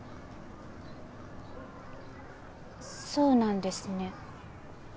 そうなんですね。